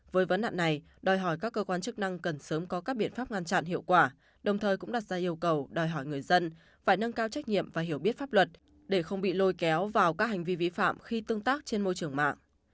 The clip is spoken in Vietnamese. với vấn nạn này đòi hỏi các cơ quan chức năng cần sớm có các biện pháp ngăn chặn hiệu quả đồng thời cũng đặt ra yêu cầu đòi hỏi người dân phải nâng cao trách nhiệm và hiểu biết pháp luật để không bị lôi kéo vào các hành vi vi phạm khi tương tác trên môi trường mạng